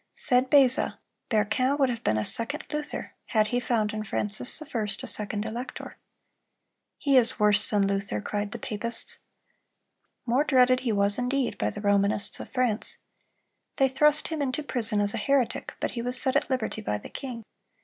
Said Beza, "Berquin would have been a second Luther, had he found in Francis I. a second elector." "He is worse than Luther,"(322) cried the papists. More dreaded he was indeed by the Romanists of France. They thrust him into prison as a heretic, but he was set at liberty by the king.